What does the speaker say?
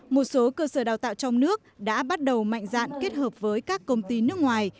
một số cơ sở đào tạo trong nước đã bắt đầu mạnh dạn kết hợp với các công ty nước ngoài